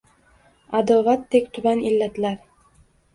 Аdovatdek tuban illatlar